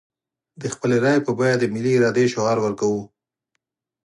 د خپلې رايې په بيه د ملي ارادې شعار ورکوو.